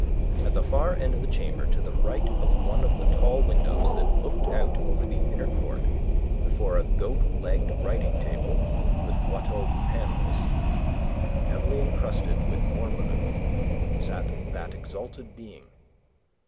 At the far end of the chamber, to the right of one of the tall windows that looked out over the inner court, before a goat legged writing table with Watteau panels, heavily encrusted with ormolu, sat that exalted being.